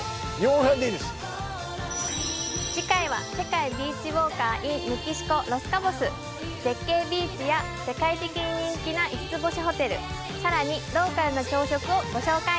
次回は世界ビーチウォーカーｉｎメキシコロス・カボス絶景ビーチや世界的に人気な５つ星ホテルさらにローカルな朝食をご紹介！